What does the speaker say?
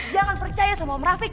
jangan percaya sama om rafiq